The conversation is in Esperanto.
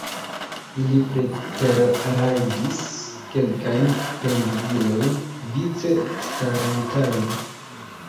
Ili preterrajdis kelkajn pendigilojn, vice starantajn.